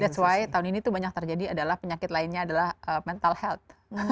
that's why tahun ini banyak terjadi penyakit lainnya adalah mental health